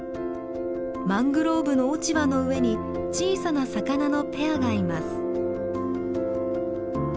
マングローブの落ち葉の上に小さな魚のペアがいます。